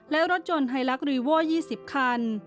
และรถยนต์ไฮลักษรีโว๒๐คัน